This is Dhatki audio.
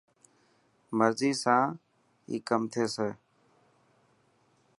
مرضي سان هي ڪم ٿيسي.